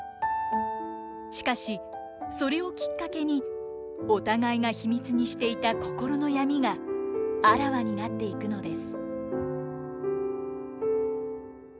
しかしそれをきっかけにお互いが秘密にしていた心の闇があらわになっていくのです。